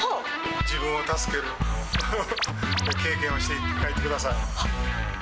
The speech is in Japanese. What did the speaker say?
自分を助ける経験をして、帰ってください。